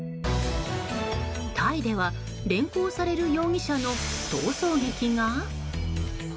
タイでは連行される容疑者の逃走劇が。